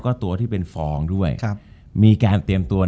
จบการโรงแรมจบการโรงแรม